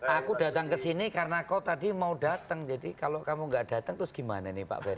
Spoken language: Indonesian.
aku datang ke sini karena kau tadi mau datang jadi kalau kamu gak datang terus gimana nih pak ferr